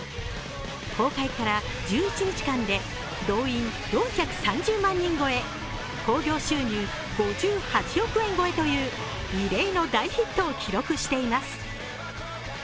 公開から１１日間で動員４３０万人超え興行収入５８億円超えという異例の大ヒットを記録しています。